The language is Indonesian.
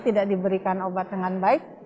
tidak diberikan obat dengan baik